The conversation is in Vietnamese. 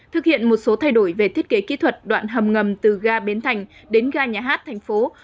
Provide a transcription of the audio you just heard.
thực hiện một số thay đổi về thiết kế kỹ thuật đoạn hầm ngầm từ ga bến thành đến ga nhà hát thành phố